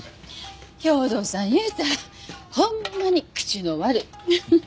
兵藤さんいうたらほんまに口の悪い。